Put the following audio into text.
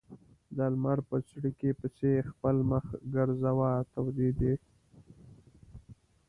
د لمر په څړیکې پسې خپل مخ ګرځاوه تودېده.